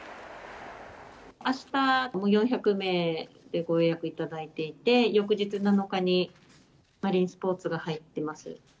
あした、４００名でご予約いただいていて、翌日７日に、マリンスポーツが入っています。